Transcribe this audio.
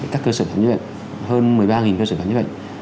các cơ sở khám chữa bệnh hơn một mươi ba cơ sở khám chữa bệnh